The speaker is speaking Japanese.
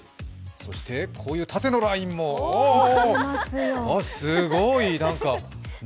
そしてこういう縦のラインも、すごいね。